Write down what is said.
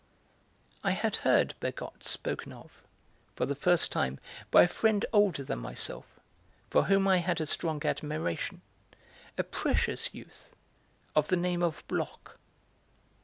I had heard Bergotte spoken of, for the first time, by a friend older than myself, for whom I had a strong admiration, a precious youth of the name of Bloch.